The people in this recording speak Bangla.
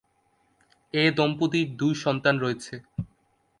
এ দম্পতির দুই সন্তান রয়েছে।